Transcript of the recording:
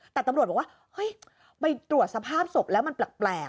แต่ตำรวจบอกว่าเฮ้ยไปตรวจสภาพศพแล้วมันแปลก